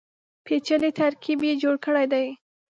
پېچلی ترکیب یې جوړ کړی دی.